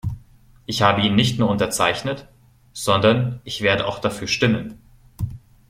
Ich habe ihn nicht nur unterzeichnet, sondern ich werde auch dafür stimmen.